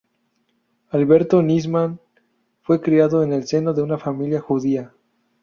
Alberto Nisman fue criado en el seno de una familia judía.